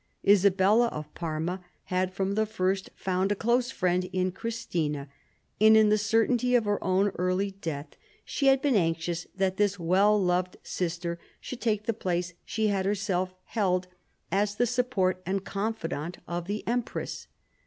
Isabella of Parma had from the first found a close friend in Christina ; and in the certainty of her own early death she had been anxious that this well loved sister should take the place she had herself held as the support and confidante of the empress.